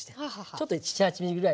ちょっと７８ｍｍぐらいで。